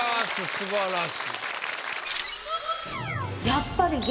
素晴らしい。